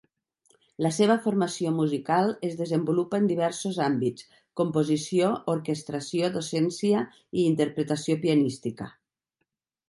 La seva formació musical es desenvolupa en diversos àmbits: composició, orquestració, docència i interpretació pianística.